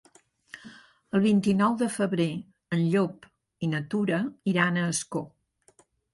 El vint-i-nou de febrer en Llop i na Tura iran a Ascó.